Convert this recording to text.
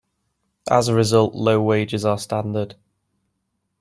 As a result, low wages are standard.